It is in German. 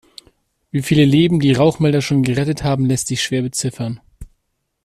Wie viele Leben die Rauchmelder schon gerettet haben, lässt sich schwer beziffern.